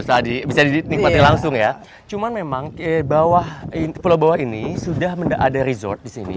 tadi bisa dinikmati langsung ya cuman memang bawah pulau bawah ini sudah ada resort di sini